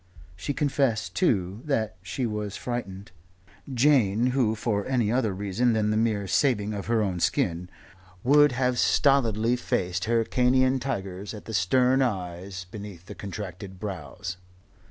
She confessed, too, that she was frightened Jane who, for any other reason than the mere saving of her own skin, would have stolidly faced Hyrcanean tigers at the stern eyes beneath the contracted brows.